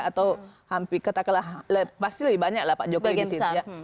atau hampir kata kata pasti lebih banyak pak jokowi di sini